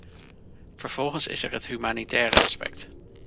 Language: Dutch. Vervolgens is er het humanitaire aspect.